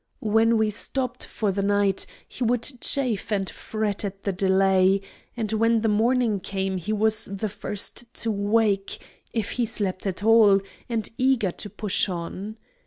When we stopped for the night he would chafe and fret at the delay; and when the morning came he was the first to wake, if he slept at all, and eager to push on.